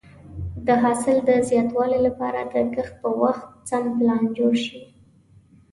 د حاصل د زیاتوالي لپاره د کښت په وخت سم پلان جوړ شي.